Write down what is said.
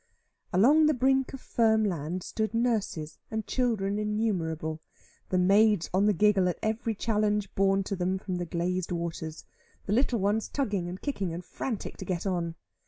Along the brink of firm land, stood nurses and children innumerable; the maids on the giggle at every challenge borne to them from the glazed waters, the little ones tugging, and kicking, and frantic to get on.